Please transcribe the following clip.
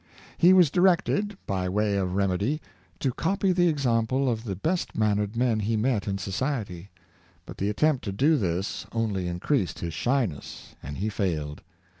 He was directed, by way of remedy, to copy the ex ample of the best mannered men he met in society; but the attempt to do this only increased his shyness, and he failed.